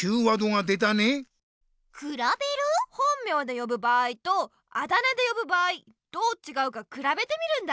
本名でよぶ場合とあだ名でよぶ場合どうちがうかくらべてみるんだ。